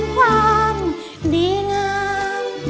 คำ